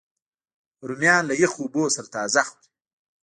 رومیان له یخو اوبو سره تازه خوري